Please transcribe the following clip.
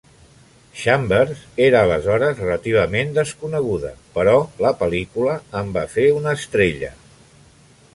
Chambers era aleshores relativament desconeguda, però la pel·lícula en va fer una estrella.